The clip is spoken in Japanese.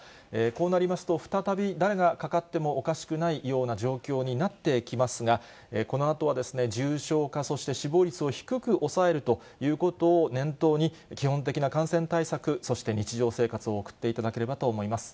こうなりますと、再び誰がかかってもおかしくないような状況になってきますが、このあとは重症化、そして死亡率を低く抑えるということを念頭に、基本的な感染対策、そして日常生活を送っていただければと思います。